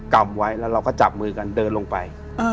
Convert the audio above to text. ำไว้แล้วเราก็จับมือกันเดินลงไป